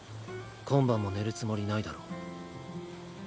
今晩も寝るつもりないだろ。